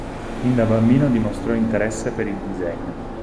Fin da bambino dimostrò interesse per il disegno.